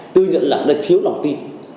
tư nhận lạc là thiếu đồng tin